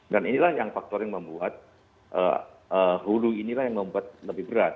dan inilah yang faktor yang membuat hulu inilah yang membuat lebih berat